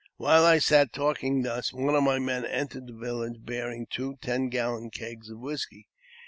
While I sat talking thus, one of my men entered the village bearing two ten gallon . kegs of whisky.